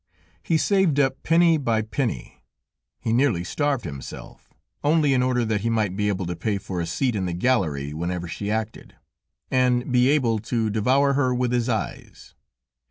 He saved up penny by penny, he nearly starved himself, only in order that he might be able to pay for a seat in the gallery whenever she acted, and be able to devour her with his eyes.